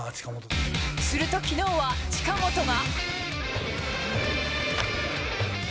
すると、きのうは近本が。